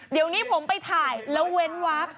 เดี๋ยวนี้ผมไปถ่ายแล้วเว้นวัก